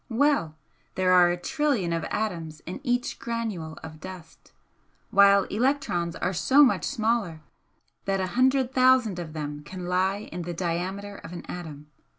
Well! there are a trillion of atoms in each granule of dust, while electrons are so much smaller, that a hundred thousand of them can lie in the diameter of an atom.